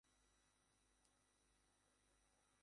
এটা যদি আইন আকারে বের হয়, তাহলে একটা মারাত্মক অবস্থা তৈরি হবে।